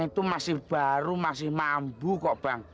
yang itu masih baru masih mambu kok bang